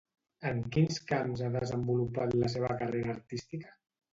En quins camps ha desenvolupat la seva carrera artística?